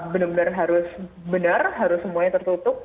bener bener harus bener harus semuanya tertutup